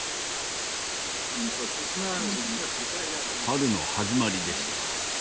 春の始まりでした。